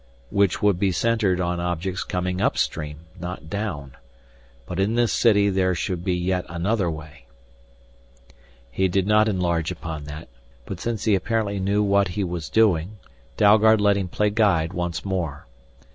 "Which would be centered on objects coming upstream, not down. But in this city there should be yet another way " He did not enlarge upon that, but since he apparently knew what he was doing, Dalgard let him play guide once more.